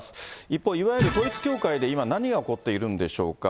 一方、いわゆる統一教会で今、何が起こっているんでしょうか。